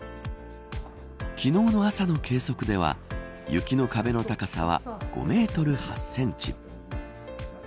昨日の朝の計測では雪の壁の高さは５メートル８センチ。